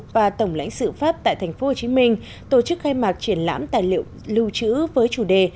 và tổng lãnh sự pháp tại tp hcm tổ chức khai mạc triển lãm tài liệu lưu trữ với chủ đề